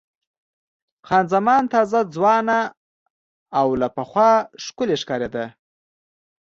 خان زمان تازه، ځوانه او له پخوا ښکلې ښکارېده.